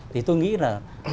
tôi nghĩ là